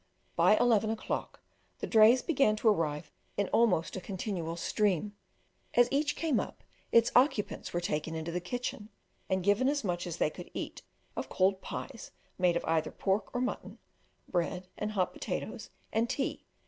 By eleven o'clock the drays began to arrive in almost a continual stream; as each came up, its occupants were taken into the kitchen, and given as much as they could eat of cold pies made of either pork or mutton, bread and hot potatoes, and tea.